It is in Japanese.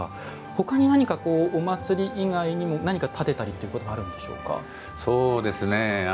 ほかに何か、お祭り以外にも何かたてたりとかあるんでしょうか。